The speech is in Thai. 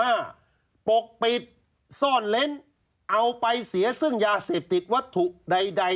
ปกปิดซ่อนเล้นเอาไปเสียซึ่งยาเสพติดวัตถุใดใด